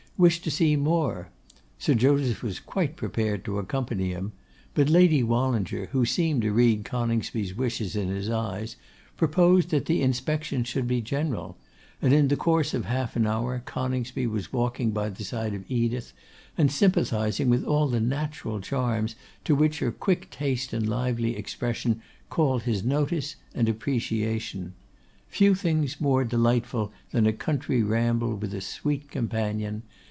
wished to see more. Sir Joseph was quite prepared to accompany him; but Lady Wallinger, who seemed to read Coningsby's wishes in his eyes, proposed that the inspection should be general; and in the course of half an hour Coningsby was walking by the side of Edith, and sympathising with all the natural charms to which her quick taste and lively expression called his notice and appreciation. Few things more delightful than a country ramble with a sweet companion!